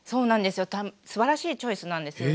すばらしいチョイスなんですよね。